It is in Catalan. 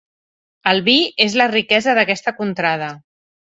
El vi és la riquesa d'aquesta contrada.